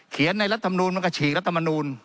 เขียนในรัฐธรรมนูลมันก็ฉีกรัฐธรรมนูล